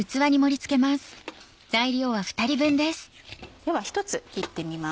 では１つ切ってみます。